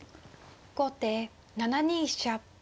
後手７二飛車。